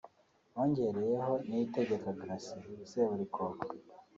bongereyeho Niyitegeka Gratien (Seburikoko)